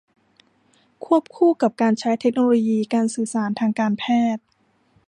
ควบคู่กับการใช้เทคโนโลยีการสื่อสารทางการแพทย์